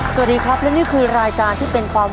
สวัสดีครับและนี่คือรายการที่เป็นความ